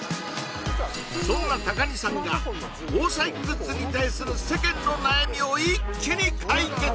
そんな高荷さんが防災グッズに対する世間の悩みを一気に解決！